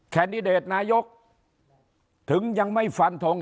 แดดิเดตนายกถึงยังไม่ฟันทง